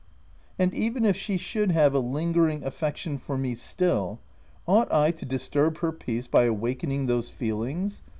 And even, if she should have a lingering affec 310 THE TENANT tion for me still, ought I to disturb her peace by awakening those feelings